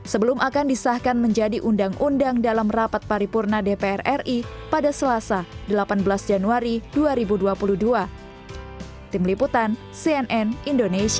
sebelum akan disahkan menjadi undang undang dalam rapat paripurna dpr ri pada selasa delapan belas januari dua ribu dua puluh dua